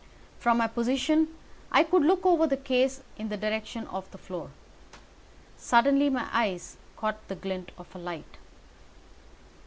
From my position I could look over the case in the direction of the floor. Suddenly my eyes caught the glint of a light.